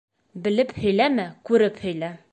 Белеп һөйләмә, күреп һөйлә.